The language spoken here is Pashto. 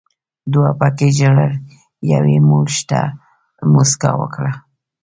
دوو پکې ژړل، یوې یې موږ ته موسکا وکړه.